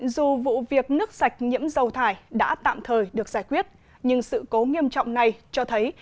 dù vụ việc nước sạch nhiễm dầu thải đã tạm thời được giải quyết nhưng sự cố nghiêm trọng này cho thấy